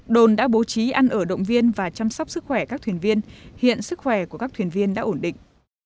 đồn đã bố trí ăn ở động viên và chăm sóc sức khỏe các thuyền viên hiện sức khỏe của các thuyền viên đã ổn định